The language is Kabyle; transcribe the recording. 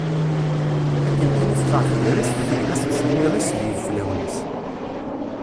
Akken kan i teffeɣ tegrest, tegla s usemmiḍ-is d yideflawen-is.